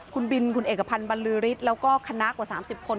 คุณบินคุณเอกพันธ์บรรลือฤทธิ์แล้วก็คณะกว่า๓๐คน